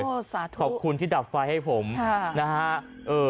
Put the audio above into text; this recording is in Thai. โทษสาธุขอบคุณที่ดับไฟให้ผมนะฮะ